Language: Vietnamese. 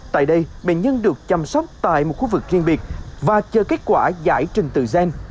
tại đây bệnh nhân được chăm sóc tại một khu vực riêng biệt và chờ kết quả giải trình tự gen